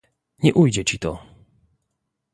"nie ujdzie ci to!..."